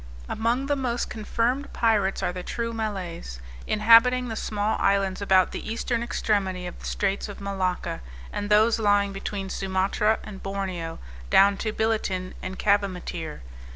Among the most confirmed pirates are the true Malays, inhabiting the small islands about the eastern extremity of the straits of Malacca, and those lying between Sumatra and Borneo, down to Billitin and Cavimattir.